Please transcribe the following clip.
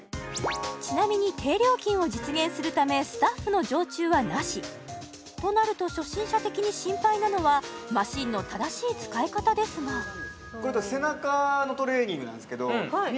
ちなみに低料金を実現するためスタッフの常駐はなしとなると初心者的に心配なのはマシンの正しい使い方ですがめっちゃ多いこれ